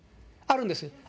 あるんですよ。